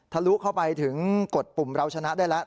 ลุเข้าไปถึงกดปุ่มเราชนะได้แล้ว